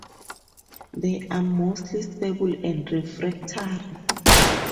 They are mostly stable and refractory.